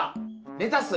レタス。